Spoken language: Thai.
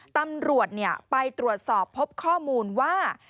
ตำรวจไปตรวจสอบพบข้อมูลว่า